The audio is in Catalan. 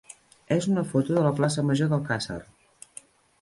és una foto de la plaça major d'Alcàsser.